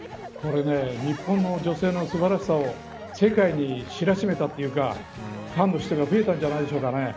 日本の女性の素晴らしさを世界に知らしめたというかファンの人が増えたんじゃないでしょうか。